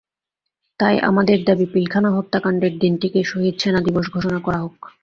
তাই আমাদের দাবি পিলখানা হত্যাকাণ্ডের দিনটিকে শহীদ সেনা দিবস ঘোষণা করা হোক।